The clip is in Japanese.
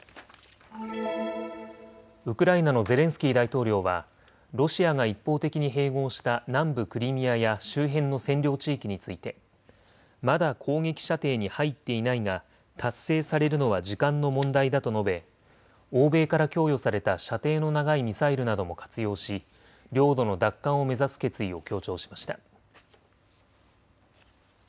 ウクライナのゼレンスキー大統領はロシアが一方的に併合した南部クリミアや周辺の占領地域についてまだ攻撃射程に入っていないが達成されるのは時間の問題だと述べ欧米から供与された射程の長いミサイルなども活用し領土の奪還を目指す決意を強調しました。